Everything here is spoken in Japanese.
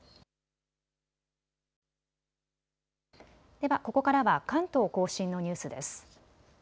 ではここからは関東甲信のニュースです。